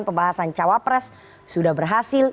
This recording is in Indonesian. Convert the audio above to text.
pembahasan cawa pres sudah berhasil